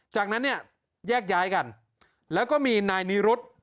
จากนั้นเนี่ยแยกย้ายกันแล้วก็มีนายนิรุธ